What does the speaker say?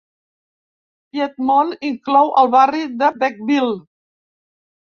Piedmont inclou el barri de Beckville.